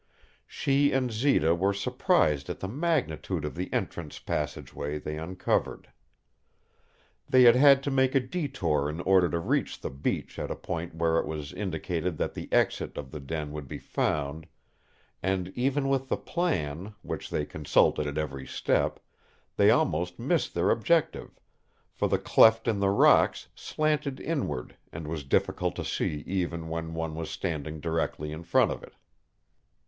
She and Zita were surprised at the magnitude of the entrance passageway they uncovered. They had had to make a detour in order to reach the beach at a point where it was indicated that the exit of the den would be found, and even with the plan, which they consulted at every step, they almost missed their objective, for the cleft in the rocks slanted inward and was difficult to see even when one was standing directly in front of it.